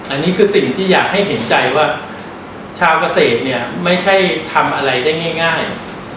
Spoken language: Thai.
อันนี้คือสิ่งที่อยากให้เห็นใจว่าชาวเกษตรเนี่ยไม่ใช่ทำอะไรได้ง่าย